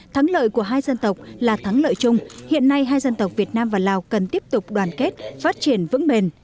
thắng lợi của hai dân tộc là thắng lợi chung hiện nay hai dân tộc việt nam và lào cần tiếp tục đoàn kết phát triển vững bền